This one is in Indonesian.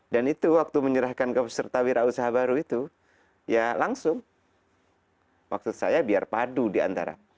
dan itu waktu menyerahkan ke peserta wirausaha baru itu ya langsung maksud saya biar padu di antara